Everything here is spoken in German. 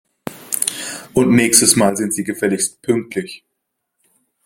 Und nächstes Mal sind Sie gefälligst pünktlich!